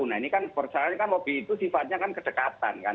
nah ini kan persoalannya kan hobi itu sifatnya kan kedekatan kan